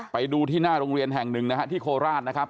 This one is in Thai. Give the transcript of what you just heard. ไปดูที่หน้าโรงเรียนแห่งหนึ่งนะฮะที่โคราชนะครับ